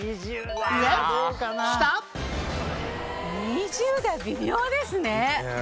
２０代微妙ですね。